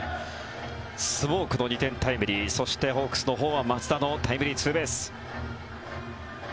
スモークの２点タイムリーそして、ホークスのほうは松田のタイムリーツーベース。